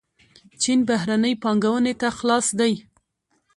چین بهرنۍ پانګونې ته خلاص دی.